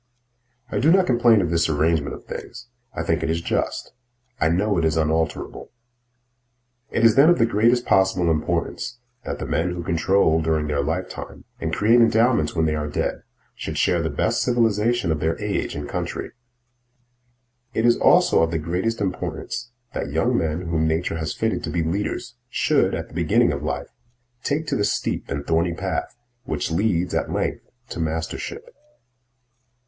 I do not complain of this arrangement of things. I think it is just; I know it is unalterable. It is then of the greatest possible importance that the men who control during their lifetime, and create endowments when they are dead, should share the best civilization of their age and country. It is also of the greatest importance that young men whom nature has fitted to be leaders should, at the beginning of life, take to the steep and thorny path which leads at length to mastership.